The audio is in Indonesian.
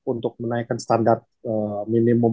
untuk menaikkan standar minimum